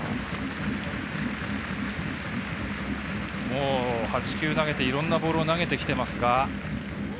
もう８球投げて、いろんなボール投げてきていますが。